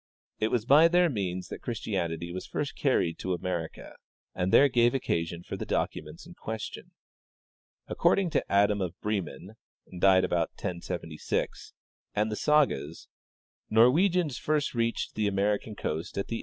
It was by their means that Christianity was first carried to America and there gave occasion for the documents in question. " According to Adam, of Bremen (died about 1076), and the sagas, NorAvegians first reached the American coast at the end 200 W. E.